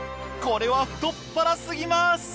これは太っ腹すぎます！